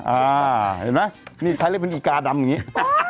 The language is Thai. เห็นไหมนี่ใช้เรียกเป็นอุกาดำอย่างนี้